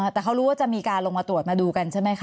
แต่เขารู้ว่าจะมีการลงมาตรวจมาดูกันใช่ไหมคะ